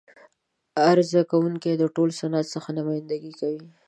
عرضه کوونکی د ټول صنعت څخه نمایندګي کوي.